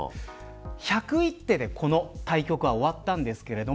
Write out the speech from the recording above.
１０１手でこの対局は終わったんですけれども。